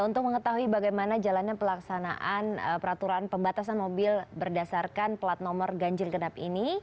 untuk mengetahui bagaimana jalannya pelaksanaan peraturan pembatasan mobil berdasarkan plat nomor ganjil genap ini